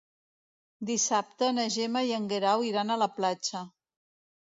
Dissabte na Gemma i en Guerau iran a la platja.